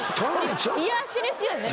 癒やしですよね？